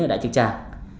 ở đại trực tràng